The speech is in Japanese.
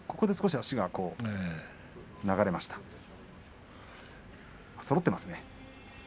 足もそろっています。